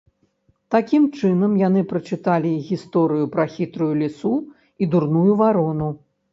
Такім чынам яны прачыталі гісторыю пра хітрую лісу і дурную варону.